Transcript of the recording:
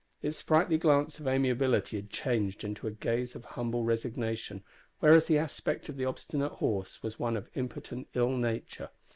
Its sprightly glance of amiability had changed into a gaze of humble resignation, whereas the aspect of the obstinate horse was one of impotent ill nature.